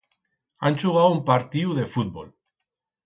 Han chugau un partiu de fútbol.